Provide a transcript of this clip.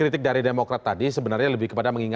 tetaplah di prime